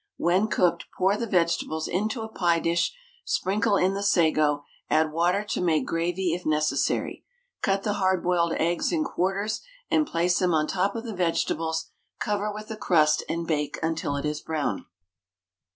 When cooked, pour the vegetables into a pie dish, sprinkle in the sago, add water to make gravy if necessary. Cut the hard boiled eggs in quarters and place them on the top of the vegetables, cover with a crust, and bake until it is brown.